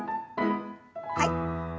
はい。